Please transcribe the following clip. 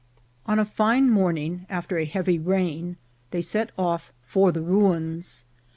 On a fine morning, after a heavy rain, they set off for the ruins.